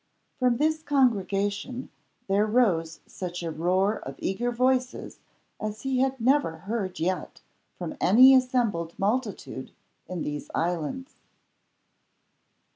From this congregation there rose such a roar of eager voices as he had never heard yet from any assembled multitude in these islands.